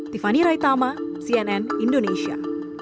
tiffany raitama cnn indonesia